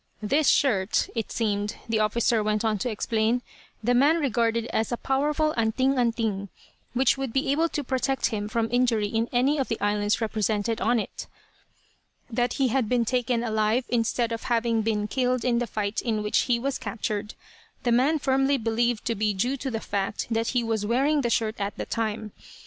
This shirt, it seemed, the officer went on to explain, the man regarded as a powerful "anting anting," which would be able to protect him from injury in any of the islands represented on it. That he had been taken alive, instead of having been killed in the fight in which he was captured, the man firmly believed to be due to the fact that he was wearing the shirt at the time.